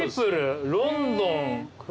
ロンドン。